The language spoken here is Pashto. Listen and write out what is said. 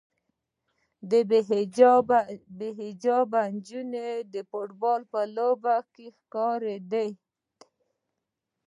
د بې حجابه نجونو د فوټبال لوبه ښکارېده.